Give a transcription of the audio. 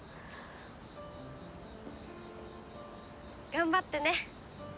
頑張ってね。